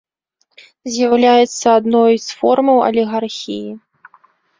З'яўляецца адной з формаў алігархіі.